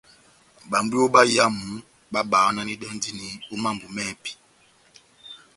Bambwiyo báyámu babahananɛndini ó mambo mɛ́hɛpi.